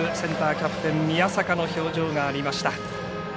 キャプテン宮坂の表情がありました。